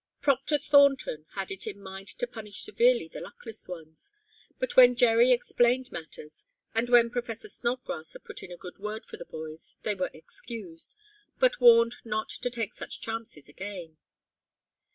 Proctor Thornton had it in mind to punish severely the luckless ones, but when Jerry explained matters, and when Professor Snodgrass had put in a good word for the boys they were excused, but warned not to take such chances again.